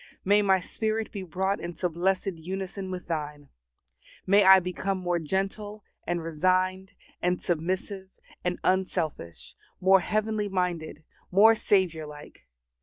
May my spirit be brought into blessed unison with Thine. May I become more gentle, and resigned, and submissive, and unselfish; more heavenly minded; more Saviour like.